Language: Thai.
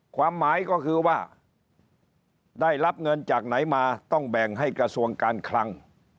ความหมายก็คือว่าได้รับเงินจากไหนมาต้องแบ่งให้กระทรวงการคลัง